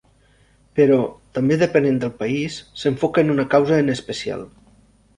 Però, també depenent del país, s'enfoca en una causa en especial.